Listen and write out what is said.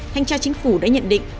thanh tra chính phủ đã nhận định